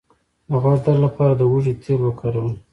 د غوږ د درد لپاره د هوږې تېل وکاروئ